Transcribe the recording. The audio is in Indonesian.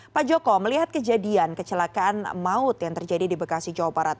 pak joko melihat kejadian kecelakaan maut yang terjadi di bekasi jawa barat